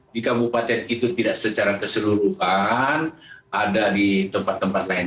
di kabupaten itu tidak secara keseluruhan ada di tempat tempat lain